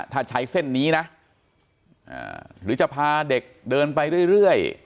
ถ้าใช้เส้นนี้นะหรือจะพาเด็กเดินไปเรื่อย